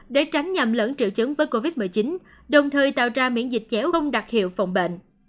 để tránh nhầm lẫn triệu chứng với covid một mươi chín đồng thời tạo ra miễn dịch chéo không đặc hiệu phòng bệnh